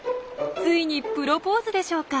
ついにプロポーズでしょうか？